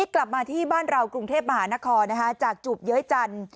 กลับมาที่บ้านเรากรุงเทพมหานครจากจูบเย้ยจันทร์